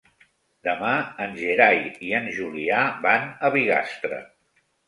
Demà en Gerai i en Julià van a Bigastre.